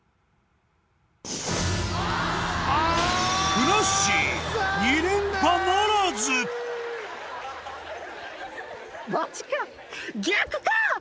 ふなっしー２連覇ならずマジか。